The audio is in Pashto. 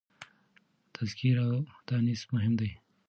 تذکير او تانيث مهم دي.